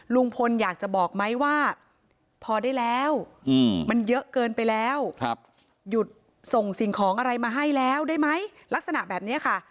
ลุงพลอยากจะบอกไหมว่าพอได้แล้วมันเยอะเกินไปแล้วหยุดส่งสิ่งของอะไรมาให้แล้วได้ไหมลักษณะแบบนี้ค่ะ